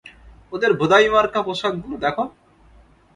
ওদের ভোদাইমার্কা পোশাকগুলো দেখো।